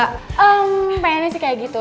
hmm pengennya sih kayak gitu